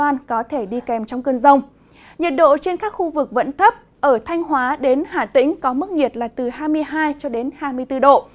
nhiệt độ trên các khu vực vẫn thấp ở thanh hóa đến hà tĩnh có mức nhiệt là từ hai mươi hai hai mươi bốn độ